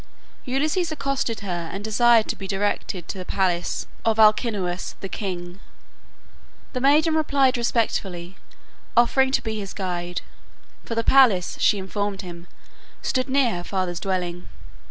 Ulysses accosted her and desired to be directed to the palace of Alcinous the king. The maiden replied respectfully, offering to be his guide; for the palace, she informed him, stood near her father's dwelling.